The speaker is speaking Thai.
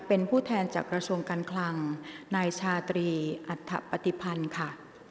เป็นผู้แทนจากกระทรวงการคลังนายชาตรีอัฐปฏิพันธ์ค่ะ